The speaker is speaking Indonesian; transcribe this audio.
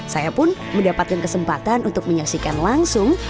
saya pun mendapatkan kesempatan untuk menyaksikan langsung